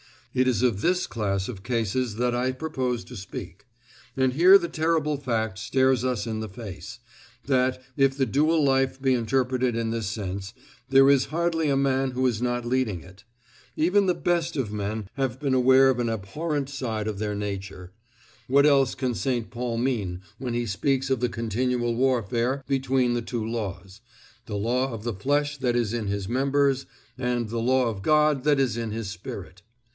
It is of this class of cases that I propose to speak. And here the terrible fact stares us in the face, that if the dual life be interpreted in this sense, there is hardly a man who is not leading it. Even the best of men have been aware of an abhorrent side of their nature. What else can St. Paul mean when he speaks of the continual warfare between the two laws "the law of the flesh that is in his members, and the law of God that is in his spirit"?